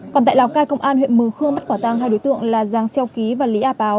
còn tại lào cai công an huyện mường khương bắt quả tang hai đối tượng là giang xeo ký và lý a páo